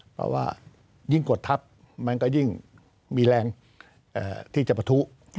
เพราะว่ายิ่งกดทับมันก็ยิ่งมีแรงที่จะประทุ